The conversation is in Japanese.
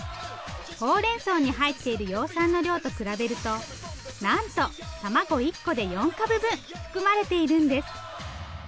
ほうれんそうに入っている葉酸の量と比べるとなんとたまご１個で４株分含まれているんです。